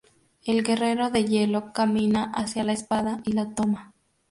El Guerrero de Hielo camina hacia la espada, y la toma.